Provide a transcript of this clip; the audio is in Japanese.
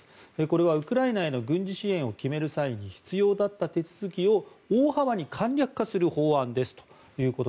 これはウクライナへの軍事支援を決める際に必要だった手続きを大幅に簡略化する法案ですと。